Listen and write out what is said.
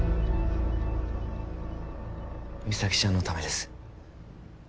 実咲ちゃんのためです